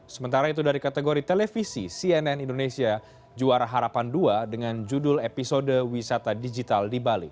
sementara itu dari kategori televisi cnn indonesia juara harapan dua dengan judul episode wisata digital di bali